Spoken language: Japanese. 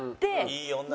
いい女。